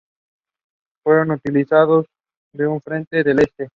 Fueron muy utilizados en el Frente del Este.